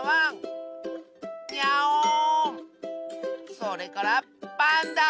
それからパンダ！